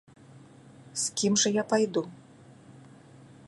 З кім жа я пайду?